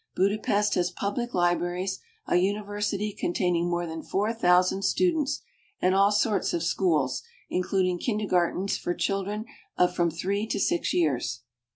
Budapest has pub lic libraries, a university containing more than four thousand students, and all sorts of schools, including kindergartens for children of from three to six years.